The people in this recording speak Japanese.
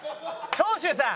長州さん？